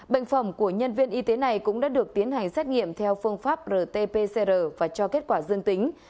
bệnh phẩm của nhân viên y tế này cũng đã được tiến hành xét nghiệm theo phương pháp rt pcr và cho kết quả dương tính